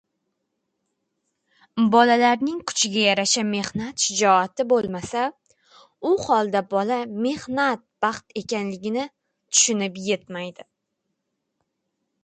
Bolalarning kuchiga yarasha mehnat shijoati bo‘lmasa, u holda bola mehnat — baxtligini tushunib yetmaydi.